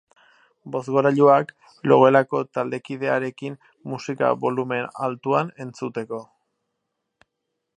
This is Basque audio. Bozgorailuak, logelako taldekidearekin musika bolumen altuan entzuteko.